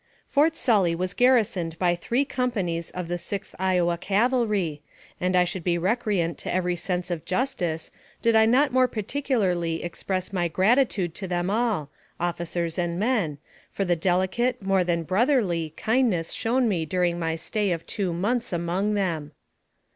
FORT SULLY was garrisoned by three companies of the Sixth Iowa Cavalry, and I should be recreant to every sense of justice did I not more particularly ex press my gratitude to them all officers and men for the delicate, more than brotherly, kindness shown me during my stay of two months among them.